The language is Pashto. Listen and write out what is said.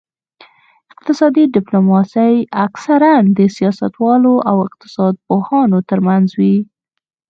اقتصادي ډیپلوماسي اکثراً د سیاستوالو او اقتصاد پوهانو ترمنځ وي